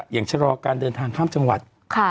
ชะลอการเดินทางข้ามจังหวัด